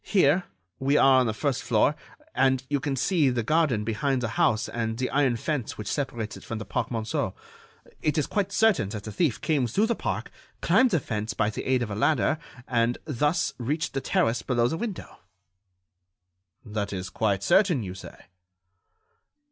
Here, we are on the first floor, and you can see the garden behind the house and the iron fence which separates it from the Parc Monceau. It is quite certain that the thief came through the park, climbed the fence by the aid of a ladder, and thus reached the terrace below the window." "That is quite certain, you say?"